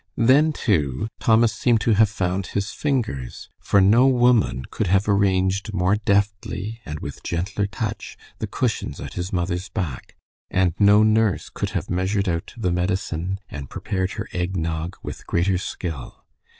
Then, too, Thomas seemed to have found his fingers, for no woman could have arranged more deftly and with gentler touch the cushions at his mother's back, and no nurse could have measured out the medicine and prepared her egg nog with greater skill.